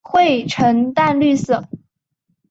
喙呈淡绿色。